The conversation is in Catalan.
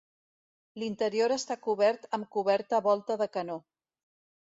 L'interior està cobert amb coberta volta de canó.